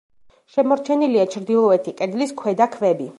შემორჩენილია ჩრდილოეთი კედლის ქვედა ქვები.